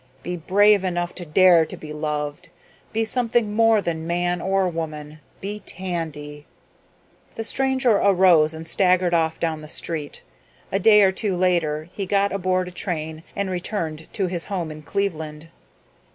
Be brave enough to dare to be loved. Be something more than man or woman. Be Tandy." The stranger arose and staggered off down the street. A day or two later he got aboard a train and returned to his home in Cleveland.